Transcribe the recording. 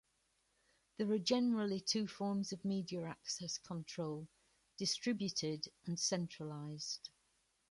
There are generally two forms of media access control: distributed and centralized.